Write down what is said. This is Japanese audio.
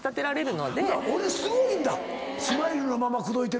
ほな俺すごいんだ！